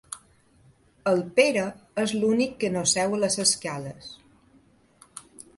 El Pere és l'únic que no seu a les escales.